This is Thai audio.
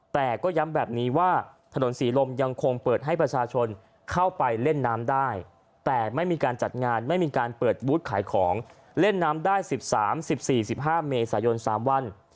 แต่ก็ย้ำแบบนี้ว่าถนนศรีลมยังคงเปิดให้ประชาชนเข้าไปเล่นน้ำได้แต่ไม่มีการจัดงานไม่มีการเปิดบูธขายของเล่นน้ำได้๑๓๑๔๑๕เมษายน๓วัน